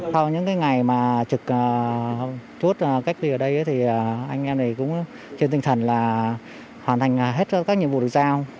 sau những ngày mà trực chốt cách ly ở đây thì anh em này cũng trên tinh thần là hoàn thành hết các nhiệm vụ được giao